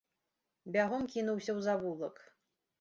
Бягом кінуўся ў завулак.